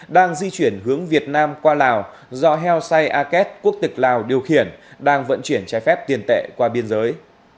đang di chuyển hướng việt nam qua lào do heo sai aket quốc tịch lào điều khiển đang vận chuyển trái phép tiền tệ qua biên giới